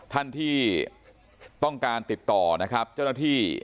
ท่านที่ต้องการติดต่อนะครับเจ้าหน้าที่